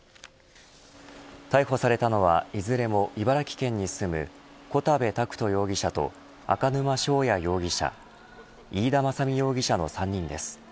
逮捕されたのはいずれも茨城県に住む小田部拓斗容疑者と赤沼翔哉容疑者飯田政実容疑者の３人です。